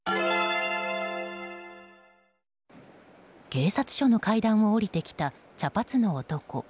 警察署の階段を下りてきた茶髪の男。